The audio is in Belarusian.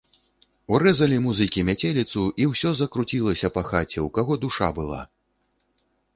Урэзалі музыкі мяцеліцу, і ўсё закруцілася па хаце, у каго душа была.